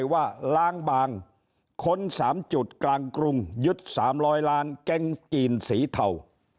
ว่าล้างบางค้น๓จุดกลางกรุงยึด๓๐๐ล้านแก๊งจีนสีเทา